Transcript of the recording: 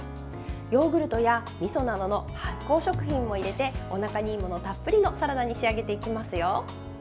ヨーグルトやみそなどの発酵食品も入れておなかにいいものたっぷりのサラダに仕上げていきますよ。